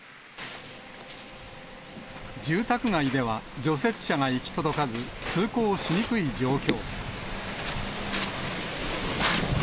住宅街では、除雪車が行き届かず、通行しにくい状況。